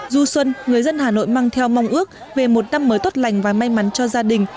du xuân người dân hà nội mang theo mong ước về một năm mới tốt lành và may mắn cho gia đình